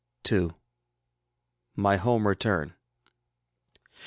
II. MY HOME RETURN.